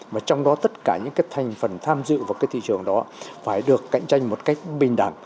mà trong đó tất cả những cái thành phần tham dự vào cái thị trường đó phải được cạnh tranh một cách bình đẳng